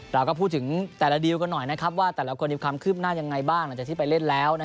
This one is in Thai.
เราก็พูดถึงแต่ละดิวกันหน่อยว่าแต่ละคนมีความคืบหน้ายังไงบ้างหลังจากที่ไปเล่นแล้ว